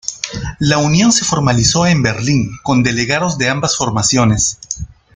La unión se formalizó en Berlín con delegados de ambas formaciones.